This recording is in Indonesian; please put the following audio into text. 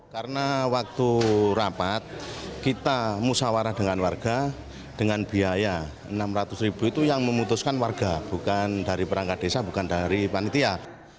karena waktu rapat kita musawarah dengan warga dengan biaya rp enam ratus itu yang memutuskan warga bukan dari perangkat desa bukan dari panitia